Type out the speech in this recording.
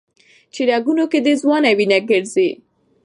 چي رګونو كي دي ځوانه وينه ګرځي